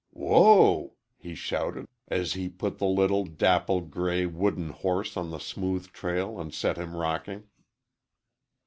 "Whoa!" he shouted, as he put the little, dapple gray, wooden horse on the smooth trail and set him rocking.